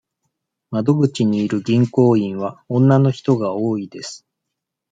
窓口にいる銀行員は女の人が多いです。